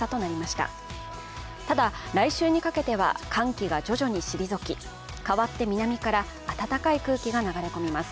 ただ、来週にかけては寒気が徐々に退き、かわって南から暖かい空気が流れ込みます。